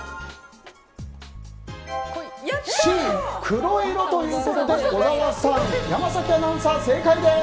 Ｃ、黒色ということで小沢さん、山崎アナウンサー正解です。